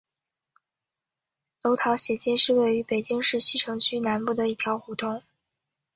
楼桃斜街是位于北京市西城区南部的一条胡同。